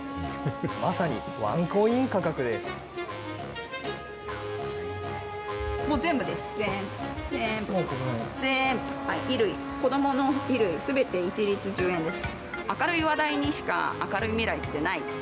まさにワンコイン価格です。